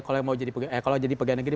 kalau mau jadi pegawai negeri